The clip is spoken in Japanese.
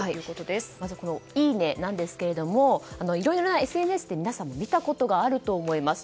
このいいねなんですがいろいろなＳＮＳで皆さんも見たことあると思います。